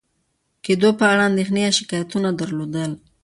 کېدو په اړه اندېښنې یا شکایتونه درلودل،